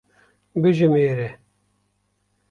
Bijimêre.